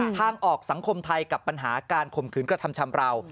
ทางออกสังคมไทยกับปัญหาการข่มขืนกระทำชำราว